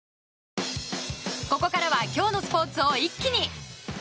ここからは今日のスポーツを一気に。